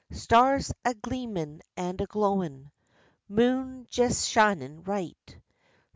Stars a gleamin' and a glowin', Moon jes shinin' right.